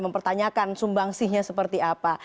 mempertanyakan sumbangsihnya seperti apa